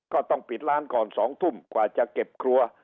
ก็ต้องปิดร้านก่อน๒ทุ่มกว่าจะเก็บครัว